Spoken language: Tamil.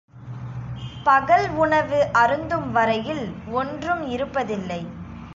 பகல் உணவு அருந்தும் வரையில் ஒன்றும் இருப்பதில்லை.